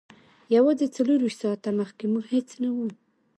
یوازې څلور ویشت ساعته مخکې موږ هیڅ نه وو